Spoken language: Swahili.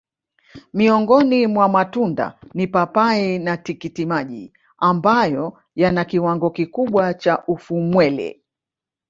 Miongoni mwa matunda ni papai na tikitimaji ambayo yana kiwango kikubwa cha ufumwele